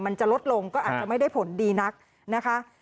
มันจะลดลงก็อาจจะไม่ได้ผลดีนักนะคะ